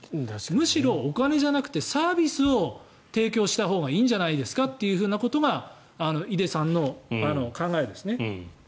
むしろ、お金じゃなくてサービスを提供したほうがいいんじゃないですかってことが井手さんの考えですね。